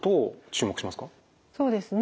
そうですね。